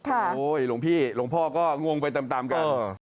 หลวงพี่หลวงพ่อก็งงไปตามกัน